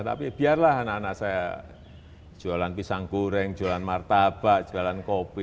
tapi biarlah anak anak saya jualan pisang goreng jualan martabak jualan kopi